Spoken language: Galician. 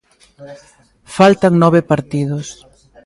Faltan nove partidos.